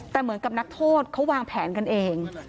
แต่เหมือนกับนักโทษเขาวางแผนกันเอง